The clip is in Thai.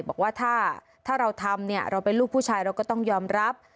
บอกว่าถ้าเราทำเนี่ยเราเป็นลูกผู้ชายเราก็ต้องยอมรับ